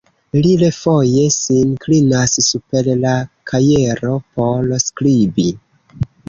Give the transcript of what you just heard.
Li refoje sin klinas super la kajero por skribi.